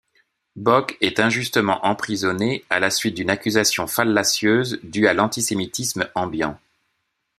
Bok est injustement emprisonné à la suite d'une accusation fallacieuse due à l'antisémitisme ambiant.